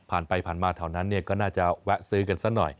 ผ่านไปผ่านมาแถวนั้นก็น่าจะแวะซื้อกันซะหน่อย